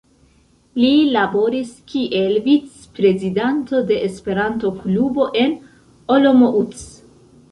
Li laboris kiel vicprezidanto de Esperanto-klubo en Olomouc.